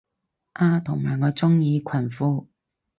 啊同埋我鍾意裙褲